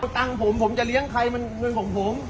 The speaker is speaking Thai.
ตังค์ผมผมจะเลี้ยงใครมันเป็นของผม